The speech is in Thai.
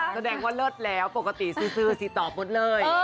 แสดงว่าเลิศแล้วปกติซื้อสิตอบหมดเลย